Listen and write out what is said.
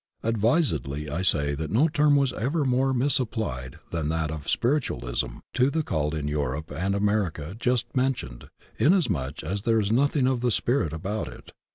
Advisedly I say that no term was ever more misapplied than that of "spiritualism" to the cult in Europe and America just mentioned inasmuch as there is nothing of the spirit about it.